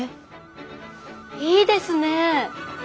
いいですね。